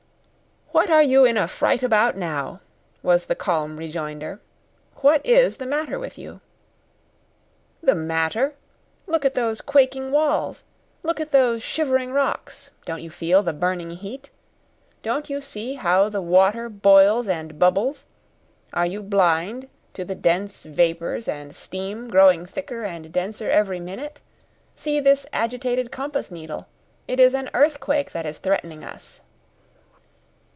"What are you in a fright about now?" was the calm rejoinder. "What is the matter with you?" "The matter? Look at those quaking walls! look at those shivering rocks. Don't you feel the burning heat? Don't you see how the water boils and bubbles? Are you blind to the dense vapours and steam growing thicker and denser every minute? See this agitated compass needle. It is an earthquake that is threatening us."